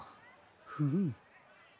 フム。